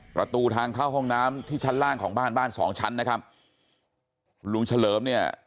ประตูทางเข้าห้องน้ำที่ชั้นล่างของบ้านบ้านสองชั้นนะครับลุงเฉลิมเนี่ย